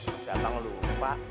udah bang lupa